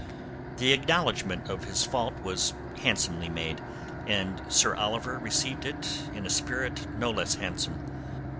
The acknowledgment of his fault was handsomely made, and Sir Oliver received it in a spirit no less handsome.